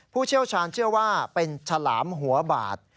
ผู้เชี่ยวชาญเชื่อว่าเป็นฉลามหัวบาด